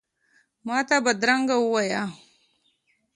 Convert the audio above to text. ماته بدرنګه وایې،